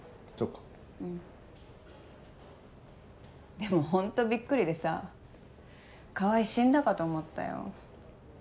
でもホントびっくりでさ川合死んだかと思ったよ。